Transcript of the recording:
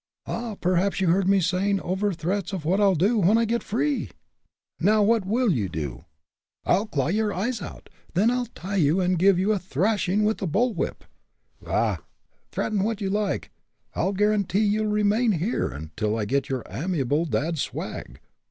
"Ah! perhaps you heard me saying over threats of what I'll do, when I get free!" "Now, what will you do?" "I'll claw your eyes out then I'll tie you and give you a thrashing with a bull whip." "Bah! threaten what you like. I'll guarantee you'll remain here until I get your amiable dad's swag."